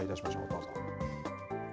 どうぞ。